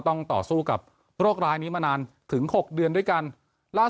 ต้องต่อสู้กับโรคร้ายนี้มานานถึง๖เดือนด้วยกันล่าสุด